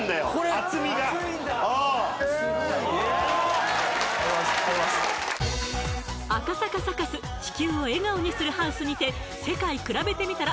厚みが赤坂サカス地球を笑顔にするＨＯＵＳＥにて「世界くらべてみたら」